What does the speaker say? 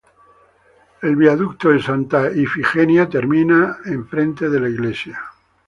El viaducto de Santa Ifigenia termina en frente de la iglesia.